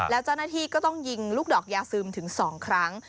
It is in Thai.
แล้วเจ้าหน้าที่ก็ต้องยิงลูกดอกยาซึมถึง๒ครั้ง